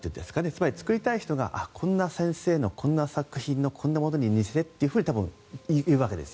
つまり、作りたい人がこんな先生のこんな作品のこんなものに似せたいって多分、言わけです。